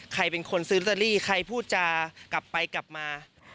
ใครเป็นคนซื้อรุตาลีใครพูดจะกลับไปกลับมา